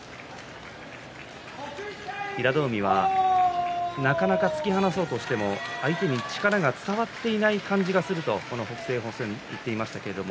平戸海は、なかなか突き放そうとしても相手に力が伝わっていない感じがすると北青鵬のことを言っていました。